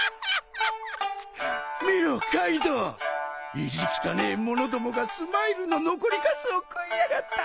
意地汚え者どもがＳＭＩＬＥの残りカスを食いやがった。